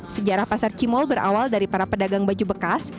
sejarah pasar cimol berawal dari para pedagang baju bekas